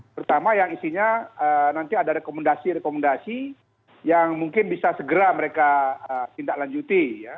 terutama yang isinya nanti ada rekomendasi rekomendasi yang mungkin bisa segera mereka tindak lanjuti ya